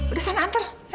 udah sana ante